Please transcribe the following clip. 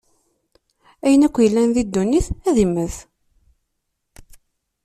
Ayen akk yellan di ddunit ad immet.